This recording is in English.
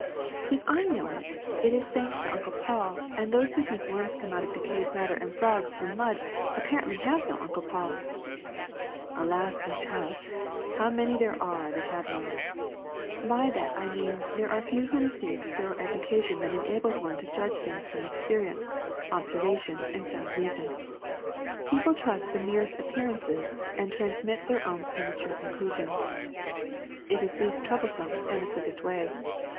'' If I know it, it is thanks to Uncle Paul; and those who think worms come from decayed matter and frogs from mud apparently have no Uncle Paul. '' ^^Alas, my child, how many there are that have none ! By that I mean there are few who receive the thorough education that enables one to judge things from experience, observation, and sound reason. People trust the merest appearances and transmit their own premature conclusions. It is least trouble some and the quickest way.